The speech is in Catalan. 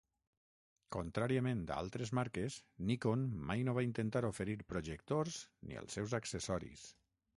Contràriament a altres marques, Nikon mai no va intentar oferir projectors ni els seus accessoris.